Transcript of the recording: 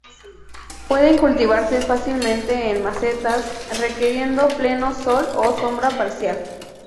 Pueden cultivarse fácilmente en macetas, requiriendo pleno sol o sombra parcial.